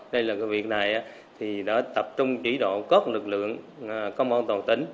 đây là việc này đã tập trung chỉ đoạn cốt lực lượng công an toàn tỉnh